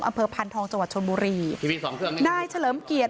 อำเภอพันธองจังหวัดชนบุรีทีวีสองเครื่องนะนายเฉลิมเกียรติ